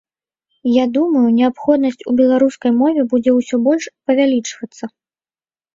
Я думаю, неабходнасць у беларускай мове будзе ўсё больш павялічвацца.